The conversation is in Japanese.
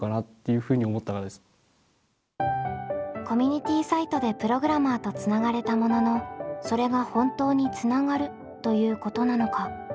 コミュニティサイトでプログラマーとつながれたもののそれが本当につながるということなのか。